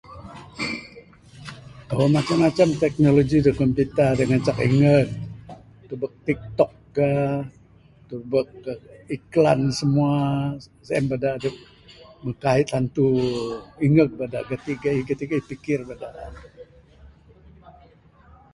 Tau macam macam teknologi da computer da ngancak ingeg. Tubek tiktok ka, tubek iklan simua, sien bada dep meh kaik tantu ingeg bada gati gaih gati gaih pikir bada ne.